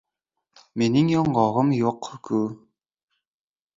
— Mening yong‘og‘im yo‘q-ku.